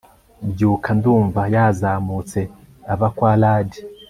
Byuka ndumva yazamutse ava kwa Ladd